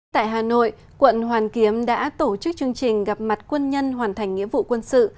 tại hà nội quận hoàn kiếm đã tổ chức chương trình gặp mặt quân nhân hoàn thành nghĩa vụ quân sự